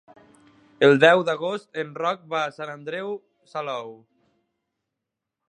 El deu d'agost en Roc va a Sant Andreu Salou.